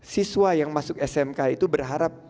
siswa yang masuk smk itu berharap